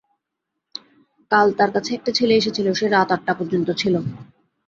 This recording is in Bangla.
কাল তার কাছে একটি ছেলে এসেছিল, সে রাত আটটা পর্যন্ত ছিল।